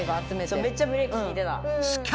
そうめっちゃブレーキきいてた。